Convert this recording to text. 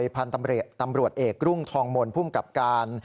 ผันตำรวจเอกรุ่งทองมลอพุ่มกับการ